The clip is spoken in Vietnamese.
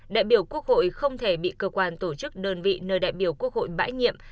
đại biểu quốc hội không thể bị cơ quan tổ chức đơn vị nơi đại biểu quốc hội bãi nhiệm